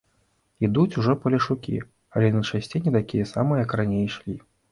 Ідуць ужо палешукі, але найчасцей не такія самыя, як раней ішлі.